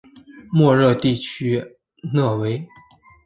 莫热地区讷维。